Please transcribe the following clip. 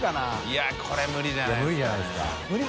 いこれ無理じゃないですかね？